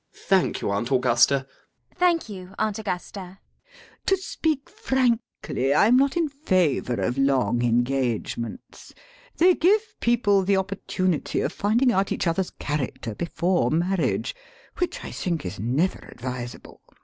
Thank you, Aunt Augusta. CECILY. Thank you, Aunt Augusta. LADY BRACKNELL. To speak frankly, I am not in favour of long engagements. They give people the opportunity of finding out each other's character before marriage, which I think is never advisable.